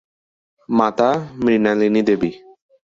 মাতা মৃণালিনী দেবী।